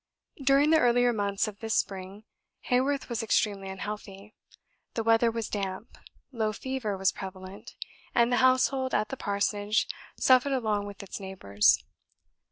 During the earlier months of this spring, Haworth was extremely unhealthy. The weather was damp, low fever was prevalent, and the household at the Parsonage suffered along with its neighbours.